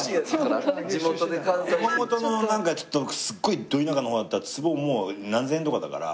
熊本のなんかちょっとすっごいど田舎の方だったら坪もう何千円とかだから。